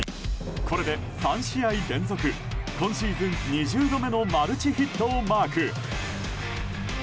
これで３試合連続今シーズン２０度目のマルチヒットをマーク。